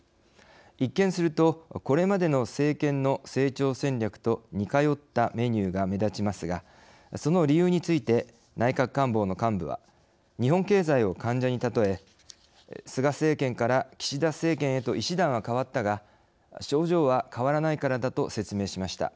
一見するとこれまでの政権の成長戦略と似通ったメニューが目立ちますがその理由について内閣官房の幹部は日本経済を患者に例え菅政権から岸田政権へと医師団は変わったが症状は変わらないからだと説明しました。